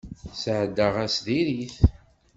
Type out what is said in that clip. Sɛeddaɣ ass diri-t.